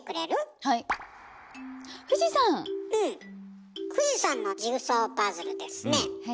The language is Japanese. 富士山のジグソーパズルですね。